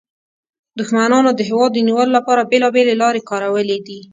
دښمنانو د هېواد د نیولو لپاره بیلابیلې لارې کارولې دي